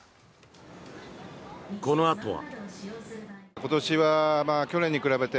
このあとは。